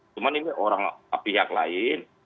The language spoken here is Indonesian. cuma ini orang pihak lain